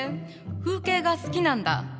風景画好きなんだ。